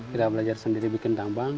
kita belajar sendiri bikin tambang